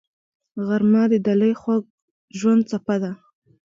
غرمه د دلي خوږ ژوند څپه ده